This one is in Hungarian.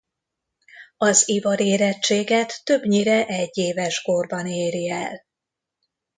Az ivarérettséget többnyire egyéves korban éri el.